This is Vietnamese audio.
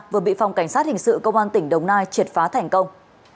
vừa bị phòng cảnh sát hình sự công an tỉnh đồng nai triệt phá thành công